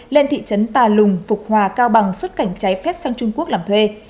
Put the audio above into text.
lên thị trấn tà lùng phục hòa cao bằng xuất cảnh trái phép sang trung quốc làm thuê